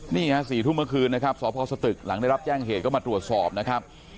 นี่ฮะ๔ทุ่มเมื่อคืนนะครับสพสตึกหลังได้รับแจ้งเหตุก็มาตรวจสอบนะครับ